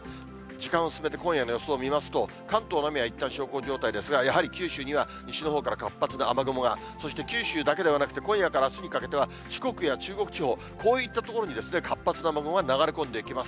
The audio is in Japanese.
時間を進めて、今夜の予想を見ますと、関東の雨はいったん小康状態ですが、やはり九州には西のほうから活発な雨雲が、そして九州だけではなくて、今夜からあすにかけては、四国や中国地方、こういった所に、活発な雨雲が流れ込んできます。